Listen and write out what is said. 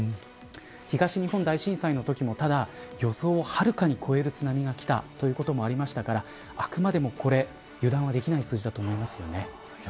東日本大震災のときも予想をはるかに超える津波がきたということもありましたからあくまでもこれは油断はできない数字だと思います。